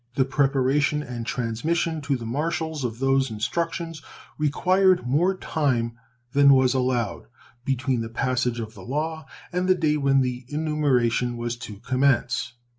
The preparation and transmission to the marshals of those instructions required more time than was then allowed between the passage of the law and the day when the enumeration was to commence.